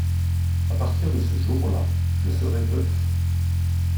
A partir de ce jour-là, je serai veuf.